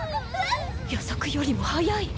予測よりも早い。